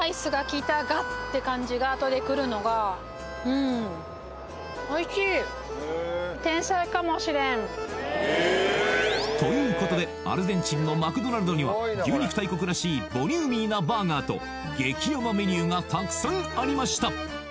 うんおいしいということでアルゼンチンのマクドナルドには牛肉大国らしいボリューミーなバーガーと激甘メニューがたくさんありました